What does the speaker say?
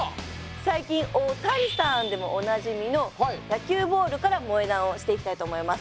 最近「オオタニさん」でもおなじみの野球ボールから萌え断をしていきたいと思います。